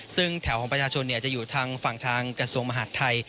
ซึ่งแถวของประชาชนจะอยู่ทางฝั่งทางกระทรวงมหาดไทย